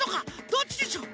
どっちでしょう？